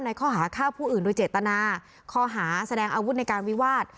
ข้อหาฆ่าผู้อื่นโดยเจตนาข้อหาแสดงอาวุธในการวิวาส